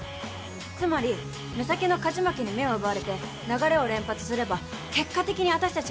つまり目先の勝ち負けに目を奪われて流れを連発すれば結果的にわたしたちは損をする。